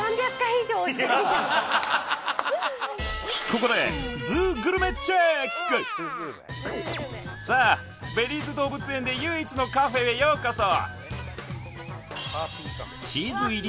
ここでさあベリーズ動物園で唯一のカフェへようこそ！